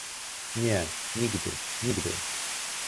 "Nie, nigdy, nigdy!"